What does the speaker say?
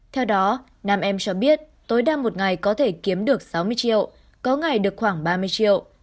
theo đó nam em cho biết tối đa một ngày có thể kiếm được sáu mươi triệu có ngày được khoảng ba mươi triệu